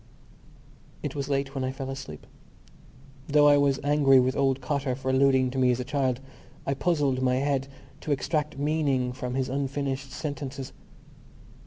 It was late when I fell asleep. Though I was angry with old Cotter for alluding to me as a child, I puzzled my head to extract meaning from his unfinished sentences.